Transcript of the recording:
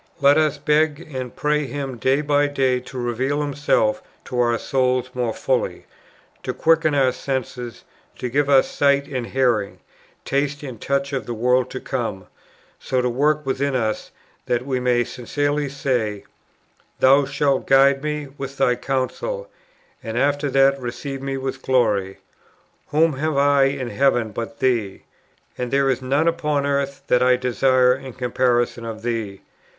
Let us beg and pray Him day by day to reveal Himself to our souls more fully, to quicken our senses, to give us sight and hearing, taste and touch of the world to come; so to work within us, that we may sincerely say, 'Thou shalt guide me with Thy counsel, and after that receive me with glory. Whom have I in heaven but Thee? and there is none upon earth that I desire in comparison of Thee.